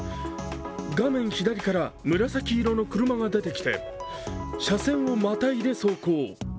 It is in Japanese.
画面左から紫色の車が出てきて、車線をまたいで走行。